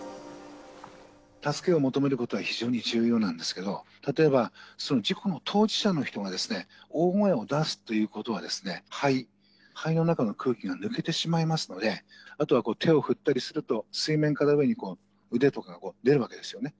助けを求めることは非常に重要なんですけど、例えば事故の当事者の人がですね、大声を出すということは、肺の中の空気が抜けてしまいますので、あとは手を振ったりすると、水面から上に腕とかが出るわけですよね。